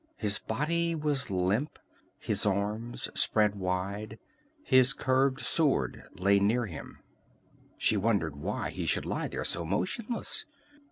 His body was limp, his arms spread wide. His curved sword lay near him. She wondered why he should lie there so motionless.